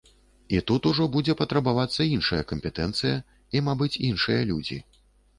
І тут ужо будзе патрабавацца іншая кампетэнцыя, і, мабыць, іншыя людзі.